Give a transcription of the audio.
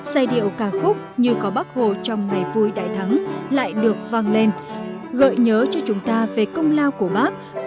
giai điệu ca khúc như có bác hồ trong ngày vui đại thắng lại được văng lên gợi nhớ cho chúng ta về công lao của bác